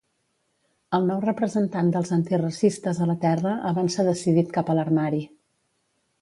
El nou representant dels antiracistes a la Terra avança decidit cap a l'armari.